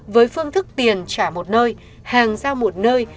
với phương thức tiền trả một nơi hàng giao một nơi